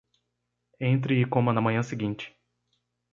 Entre e coma na manhã seguinte